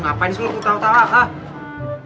gak ngasih lo ngapain sih lo tau tau